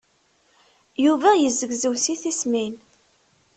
Yuba yezzegzew si tismin.